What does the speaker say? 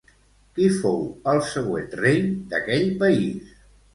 Qui fou el següent rei d'aquell país?